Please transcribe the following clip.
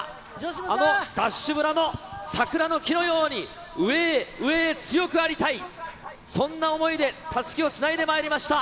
あのＤＡＳＨ村の桜の木のように、上へ上へ強くありたい、そんな想いでたすきをつないでまいりました。